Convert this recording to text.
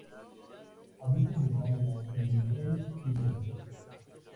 Habita en Birmania y en el Tibet.